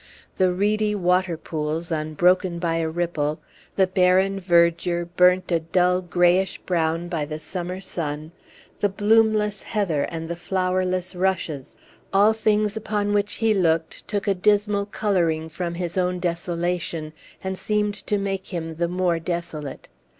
The reedy water pools, unbroken by a ripple; the barren verdure, burnt a dull grayish brown by the summer sun; the bloomless heather, and the flowerless rushes all things upon which he looked took a dismal coloring from his own desolation, and seemed to make him the more desolate.